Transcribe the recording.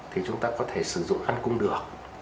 thì chúng ta có thể sử dụng ăn cung đường